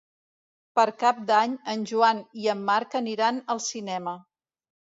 Per Cap d'Any en Joan i en Marc aniran al cinema.